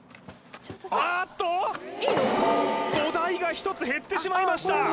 あっと土台が１つ減ってしまいました